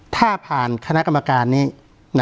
การแสดงความคิดเห็น